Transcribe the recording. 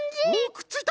くっついた！